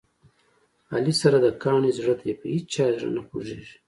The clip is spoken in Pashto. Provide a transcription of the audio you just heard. علي سره د کاڼي زړه دی، په هیچا یې زړه نه خوګېږي.